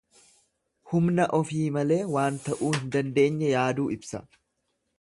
Humna ofii malee waan ta'uu hin dandeenye yaaduu ibsa.